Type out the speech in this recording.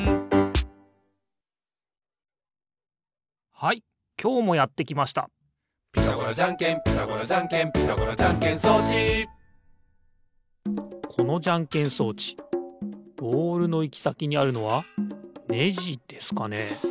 はいきょうもやってきました「ピタゴラじゃんけんピタゴラじゃんけん」「ピタゴラじゃんけん装置」このじゃんけん装置ボールのいきさきにあるのはネジですかね。